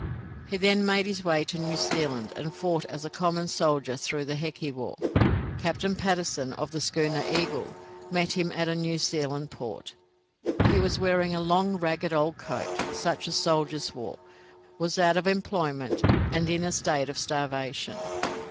He then made his way to New Zealand, and fought as a common soldier through the Heki war. Captain Patterson, of the schooner 'Eagle', met him at a New Zealand port. He was wearing a long, ragged old coat, such as soldiers wore, was out of employment, and in a state of starvation.